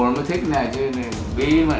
mẹ thử mẹ làm cái gì nhở